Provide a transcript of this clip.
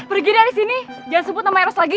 pergi dari sini jangan semput sama eros lagi